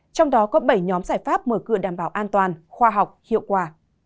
trong đó có bảy nhóm giải pháp mở cửa đảm bảo an toàn khoa học hiệu quả